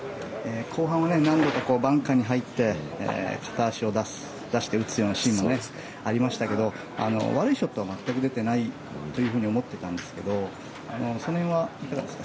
後半は何度かバンカーに入って片足を出して打つようなシーンもありましたが悪いショットは全く出ていないと思っていたんですがその辺はいかがですか？